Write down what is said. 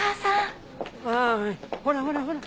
ああほらほらほら。